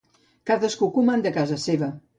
Cadascú comanda a casa seva.